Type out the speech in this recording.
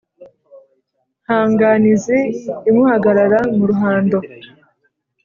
nta nganizi imuhagarara mu ruhando.